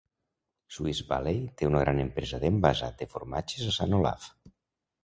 Swiss Valey té una gran empresa d'envasat de formatges a St. Olaf.